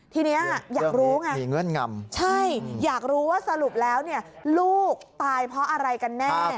ทีนี้อยากรู้ว่าสรุปแล้วลูกตายเพราะอะไรกันแน่